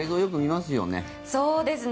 そうですね。